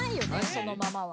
そのままは。